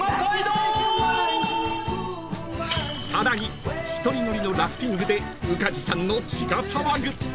［さらに１人乗りのラフティングで宇梶さんの血が騒ぐ］